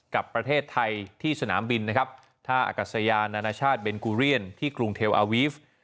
กับประเทศไทยที่สนามบินนะครับท่าอากาศยานานาชาติเบนกูเรียนที่กรุงเทลอาวีฟ